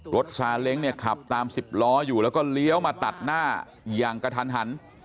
ซาเล้งเนี่ยขับตาม๑๐ล้ออยู่แล้วก็เลี้ยวมาตัดหน้าอย่างกระทันหัน